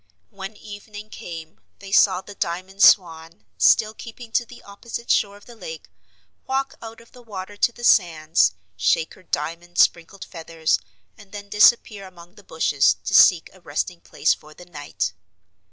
When evening came, they saw the Diamond Swan, still keeping to the opposite shore of the lake, walk out of the water to the sands, shake her diamond sprinkled feathers, and then disappear among the bushes to seek a resting place for the night.